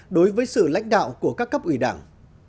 đối với sự lãnh đạo của các cấp ủy đảng